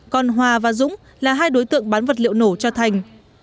còn hòa và dũng là hai đối tượng bán vật liệu nổ cho thành